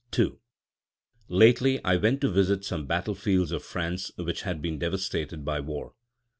II Lately I went to visit some battlefields of France which had been devastated by war.